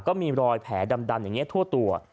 ก็มีรอยแผลดำอย่างนี้ทั่วตัว